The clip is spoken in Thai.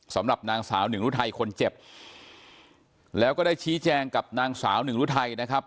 สำหรับนางสาวหนึ่งรุทัยคนเจ็บแล้วก็ได้ชี้แจงกับนางสาวหนึ่งรุทัยนะครับ